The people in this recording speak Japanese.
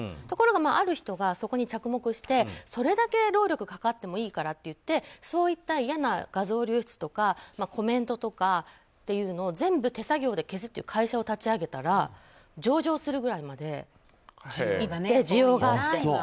ところが、ある人がそこに着目してそれだけ労力がかかってもいいからってそういった嫌な画像流出とかコメントとかを全部、手作業で消すという会社を立ち上げたら上場するぐらいまでいって需要があって。